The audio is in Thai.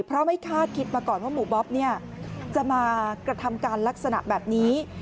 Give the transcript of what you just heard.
เพราะไม่คาดคิดมาก่อนว่าหมู่บ๊อบจะมากระทำการลักษณะแบบนี้